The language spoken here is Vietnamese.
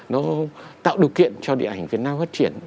nó tạo điều kiện cho điện ảnh việt nam phát triển